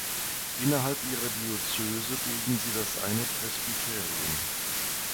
Innerhalb ihrer Diözese bilden sie das eine Presbyterium.